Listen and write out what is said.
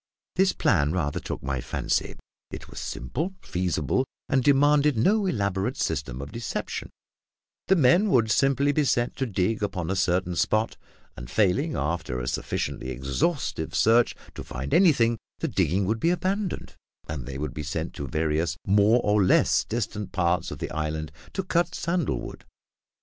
This plan rather took my fancy. It was simple, feasible, and demanded no elaborate system of deception; the men would simply be set to dig upon a certain spot, and, failing, after a sufficiently exhaustive search, to find anything, the digging would be abandoned, and they would be sent to various more or less distant parts of the island to cut sandal wood.